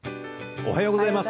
おはようございます。